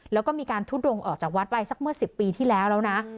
แล้วก็มีการทุดงออกจากวัดไปสักเมื่อ๑๐ปีที่แล้วแล้วนะ